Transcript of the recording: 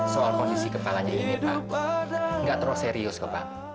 soal kondisi kepala dia ini pak gak terlalu serius pak